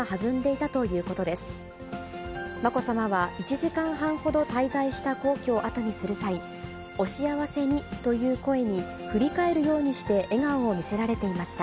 まこさまは１時間半ほど滞在した皇居を後にする際、お幸せにという声に振り返るようにして笑顔を見せられていました。